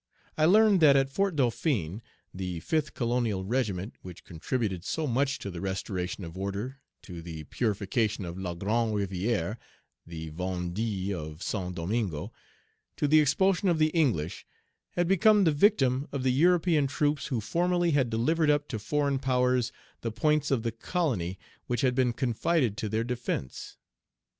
I learned that at Fort Dauphin, the fifth colonial regiment which contributed so much to the restoration of order, to the purification of La Grande Rivière (the Vendée of Saint Domingo), to the expulsion of the English had become the victim of the European troops, who formerly had delivered up Page 99 to foreign powers the points of the colony which had been confided to their defence.